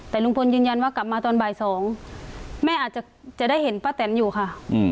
แต่ลุงพลยืนยันว่ากลับมาตอนบ่าย๒แม่อาจจะได้เห็นป้าแตนอยู่ค่ะ